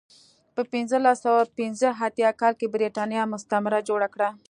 په پنځلس سوه پنځه اتیا کال کې برېټانیا مستعمره جوړه کړه.